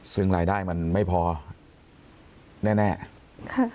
ซึ่งรายได้มันไม่พอแน่แน่ค่ะ